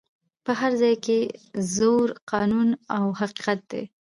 په هر ځای کي زور قانون او حقیقت دی